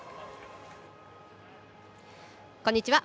こんにちは。